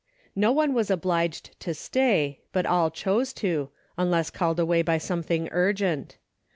No one was obliged to stay, but all chose to, unless called away by some thing urgent.